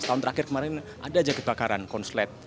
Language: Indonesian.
setahun terakhir kemarin ada aja kebakaran konsulat